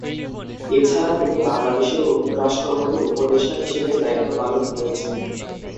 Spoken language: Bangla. এছাড়া, তিনি বাংলাদেশের রাষ্ট্রপতির উপদেষ্টা হিসেবেও দায়িত্ব পালন করেছেন।